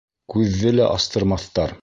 Күҙҙе лә астырмаҫтар.